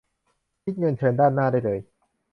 คิดเงินเชิญด้านหน้าได้เลย